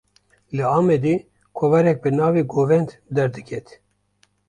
Li Amedê, kovareke bi navê "Govend" derdiket